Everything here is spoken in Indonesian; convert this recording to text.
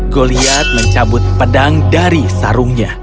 goliat mencabut pedang dari sarungnya